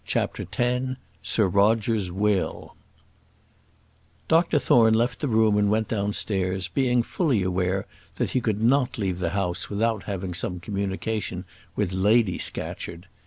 CHAPTER X Sir Roger's Will Dr Thorne left the room and went downstairs, being fully aware that he could not leave the house without having some communication with Lady Scatcherd.